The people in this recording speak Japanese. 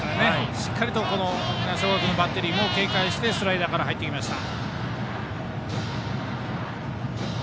しっかりとバッテリーも警戒してスライダーから入ってきました。